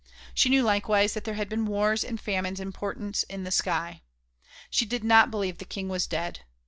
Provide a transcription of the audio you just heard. She knew likewise there had been wars and famines and portents in the sky. She did not believe the King was dead.